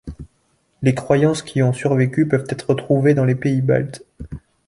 Les croyances qui ont survécu peuvent être trouvées dans les pays baltes.